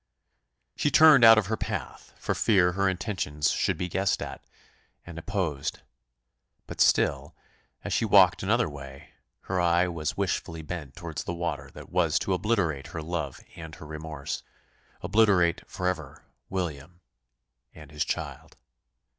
She turned out of her path, for fear her intentions should be guessed at, and opposed; but still, as she walked another way, her eye was wishfully bent towards the water that was to obliterate her love and her remorse obliterate, forever, William and his child.